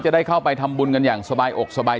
อ๋อเจ้าสีสุข่าวของสิ้นพอได้ด้วย